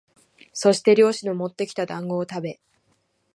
そして猟師のもってきた団子をたべ、